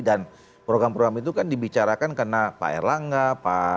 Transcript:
dan program program itu kan dibicarakan karena pak erlangga pak syafran